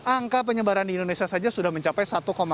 angka penyebaran di indonesia saja sudah mencapai satu lima